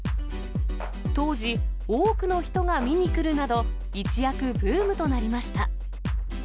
当時、多くの人が見に来るなど、一躍ブームとなりました。